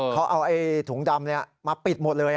เขาเอาถุงดำมาปิดหมดเลย